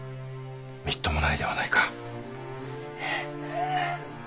みっともないではないか。